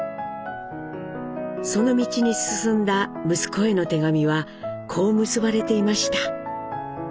その道に進んだ息子への手紙はこう結ばれていました。